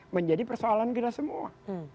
menjadi persoalan kita semua